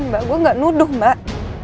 mbak gue gak nuduh mbak